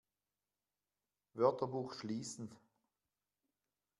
Wörterbuch schließen!